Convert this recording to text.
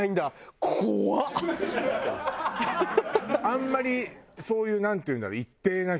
あんまりそういうなんていうんだろう。